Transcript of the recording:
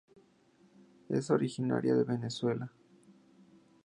Es originaria de Venezuela.